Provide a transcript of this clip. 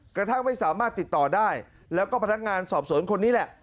กระทั่งไม่สามารถติดต่อได้แล้วก็พนักงานสอบสวนคนนี้แหละ